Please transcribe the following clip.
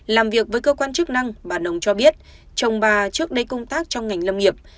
làm việc với cơ quan chức năng bà nông cho biết chồng bà trước đây công tác trong ngành lâm nghiệp